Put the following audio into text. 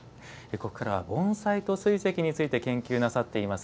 ここからは盆栽と水石について研究なさっています